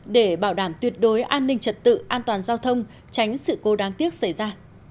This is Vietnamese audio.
để bảo đảm tuyệt đối an ninh trật tự an toàn giao thông tránh sự cố đáng tiếc xảy ra